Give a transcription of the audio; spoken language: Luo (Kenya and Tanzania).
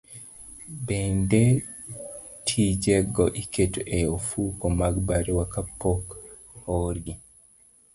Bende tijego iketo e ofuko mag barua kapok oorgi.